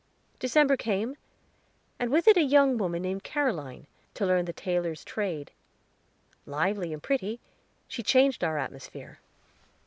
December came, and with it a young woman named Caroline, to learn the tailor's trade. Lively and pretty, she changed our atmosphere.